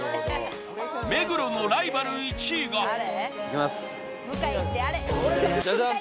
目黒のライバル１位がいきますジャジャン！